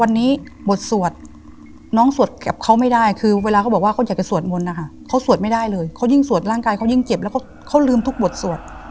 วันนี้บทสวดน้องสวดกับเขาไม่ได้คือเวลาเขาบอกว่าเขาอยากจะสวดมนต์นะคะเขาสวดไม่ได้เลยเขายิ่งสวดร่างกายเขายิ่งเจ็บแล้วก็เขาลืมทุกบทสวด